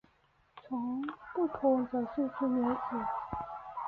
从不同角度去了解